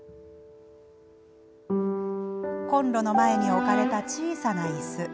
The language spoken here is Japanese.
コンロの前に置かれた小さないす。